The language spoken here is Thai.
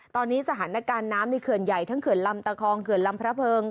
ตอนนี้สถานการณ์น้ำในเขื่อนใหญ่ทั้งเขื่อนลำตะคองเขื่อนลำพระเพิง